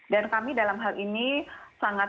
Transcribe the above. dan kami dalam hal ini sangat